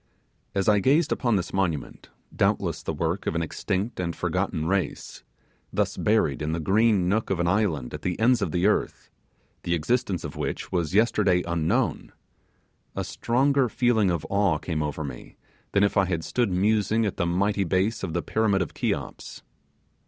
As I gazed upon this monument, doubtless the work of an extinct and forgotten race, thus buried in the green nook of an island at the ends of the earth, the existence of which was yesterday unknown, a stronger feeling of awe came over me than if I had stood musing at the mighty base of the Pyramid of Cheops.